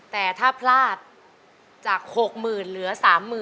แต่ถ้าพลาดจาก๖๐๐๐เหลือ๓๐๐๐